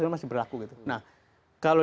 masih berlaku nah kalau